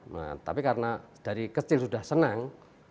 nah tapi karena dari kecil sudah senang